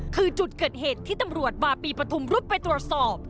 คือจุดเกิดเหตุที่ตำรวจบาปีปฐุมรุดไปตรวจสอบ